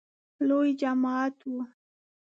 لوی جماعت و .